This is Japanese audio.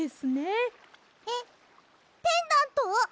えっペンダント！？